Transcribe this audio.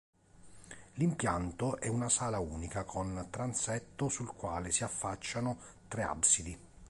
L'impianto è una sala unica con transetto sul quale si affacciano tre absidi.